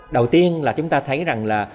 đầu tiên là chúng ta thấy rằng là